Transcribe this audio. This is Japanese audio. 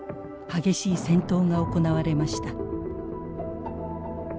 激しい戦闘が行われました。